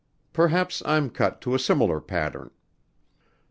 Perhaps I'm cut to a similar pattern."